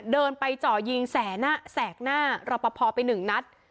เดินไปเจาะยิงแสกหน้ารอปภไปหนึ่งนัด